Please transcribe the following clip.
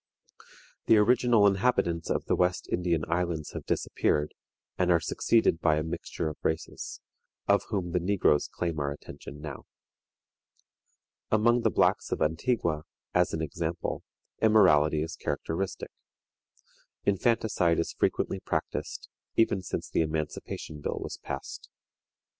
The original inhabitants of the West Indian islands have disappeared, and are succeeded by a mixture of races, of whom the negroes claim our attention now. Among the blacks of Antigua, as an example, immorality is characteristic. Infanticide is frequently practiced, even since the Emancipation Bill was passed.